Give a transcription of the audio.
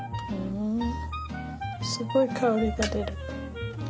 すごい香りが出る。